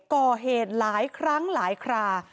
ก่อเหตุหลายครั้งหลายครา